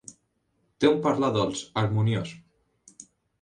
Té un parlar dolç, harmoniós.